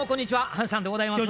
阪さんでございます。